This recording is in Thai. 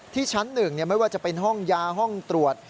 ที่ชั้นหนึ่งไม่ว่าจะเป็นห้องยาห้องตรวจ